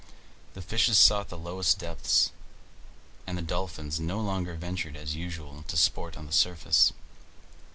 The fishes sought the lowest depths, and the dolphins no longer ventured as usual to sport on the surface.